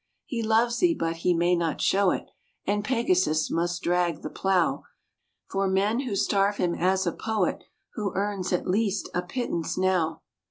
He loves thee, but he may not show it, And Pegasus must drag the plough, For men would starve him as a poet Who earns at least a pittance now."